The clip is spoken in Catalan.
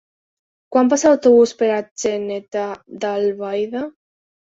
Quan passa l'autobús per Atzeneta d'Albaida?